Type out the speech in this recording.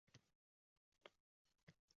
Ha kelibdi, ha ketibdi, Kimning nima ishi bor?!